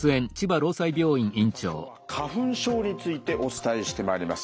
さあ今日は花粉症についてお伝えしてまいります。